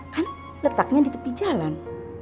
kan letaknya di tepi jalan